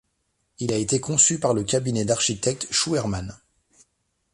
Il a été conçu par le cabinet d'architectes Schuermann.